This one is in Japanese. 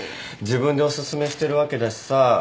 自分でおすすめしてるわけだしさ